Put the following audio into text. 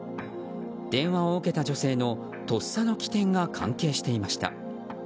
電話を受けた女性のとっさの機転が関係していました。